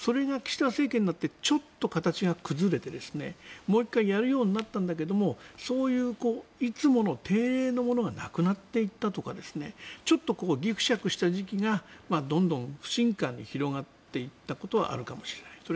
それが岸田政権になってちょっと形が崩れてもう１回やるようになったんだけどそういういつもの定例のものがなくなっていったとかぎくしゃくした時期がどんどん不信感に広がっていったことはあるかもしれない。